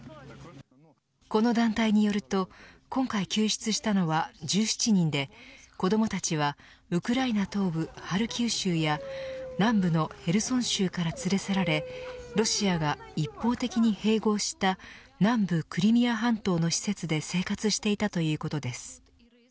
この団体によると今回救出したのは１７人で子どもたちはウクライナ東部ハルキウ州や南部のヘルソン州から連れ去られロシアが一方的に併合した南部クリミア半島の施設で生活していたということです。